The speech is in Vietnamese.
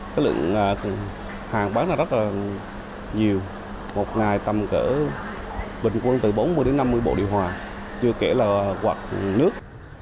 cái lượng hàng bán là rất là nhiều một ngày tầm cỡ bình quân từ bốn mươi đến năm mươi bộ điều hòa chưa kể là quạt nước